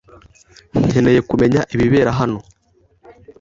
nkeneye kumenya ibibera hano.